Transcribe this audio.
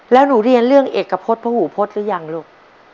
แล้วหนูเรียนเรื่องเอกพฤษพระหูพจน์หรือยังลูก